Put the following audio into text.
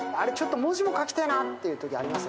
文字も書きたいなってときもありますよね。